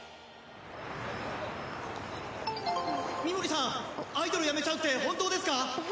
ミモリさんアイドル辞めちゃうって本当ですか！？